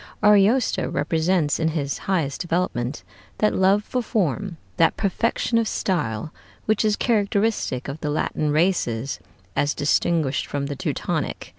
Ariosto represents in its highest development that love for form, that perfection of style, which is characteristic of the Latin races as distinguished from the Teutonic.